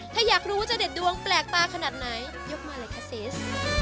ถ้าอยากรู้ว่าจะเด็ดดวงแปลกตาขนาดไหนยกมาเลยค่ะซิส